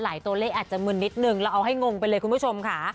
ตัวเลขอาจจะมึนนิดนึงเราเอาให้งงไปเลยคุณผู้ชมค่ะ